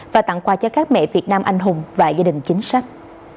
và tặng quà cho các mẹ việt nam anh hùng và gia đình chính sách